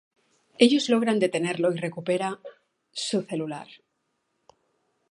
Ellos logran detenerlo, y recupera su celular.